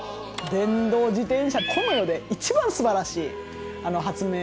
電動自転車この世で一番素晴らしい発明。